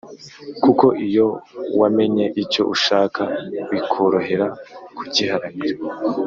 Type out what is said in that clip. kuko iyo wamenye icyo ushaka bikorohera kugiharanira.